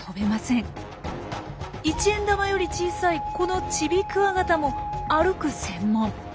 一円玉より小さいこのチビクワガタも歩く専門。